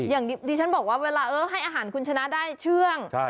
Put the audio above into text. อย่างที่ฉันบอกว่าเวลาให้อาหารคุณชนะได้เชื่อง